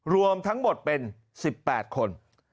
รวมทั้งหมดเป็น๑๘คน